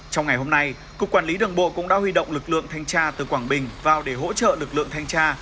trong ngày hôm nay cục quản lý đường bộ cũng đã huy động lực lượng thanh tra từ quảng bình vào để hỗ trợ lực lượng thanh tra